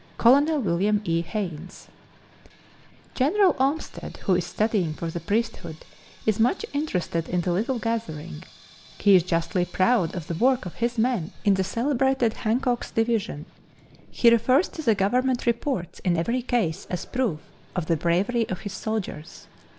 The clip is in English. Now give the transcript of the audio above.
Colonel William E. Haynes. General Olmsted, who is studying for the priesthood, is much interested in the little gathering. He is justly proud of the work of his men in the celebrated Hancock's Division. He refers to the Government reports in every case as proof of the bravery of his soldiers.